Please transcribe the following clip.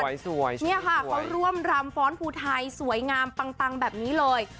สวยเนี่ยค่ะเขาร่วมรำฟ้อนภูไทยสวยงามปังแบบนี้เลย